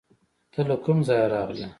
ته له کوم ځایه راغلې؟